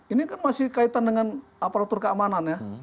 ini kan masih kaitan dengan aparatur keamanan ya